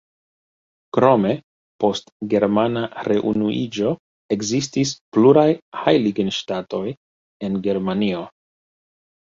Krome, post germana reunuiĝo, ekzistis pluraj Heiligenstadt-oj en Germanio.